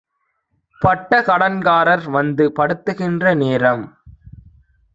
பட்டகடன் காரர்வந்து படுத்துகின்ற நேரம்